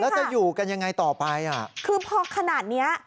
แล้วจะอยู่กันยังไงต่อไปอ่ะคือพอขนาดเนี้ย